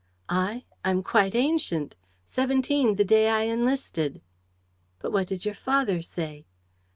"I? I'm quite ancient. Seventeen the day I enlisted." "But what did your father say?"